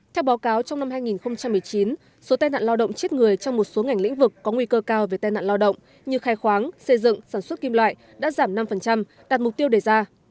theo báo cáo trong năm hai nghìn một mươi chín số tai nạn lao động chết người trong một số ngành lĩnh vực có nguy cơ cao về tai nạn lao động như khai khoáng xây dựng sản xuất kim loại đã giảm năm đạt mục tiêu đề ra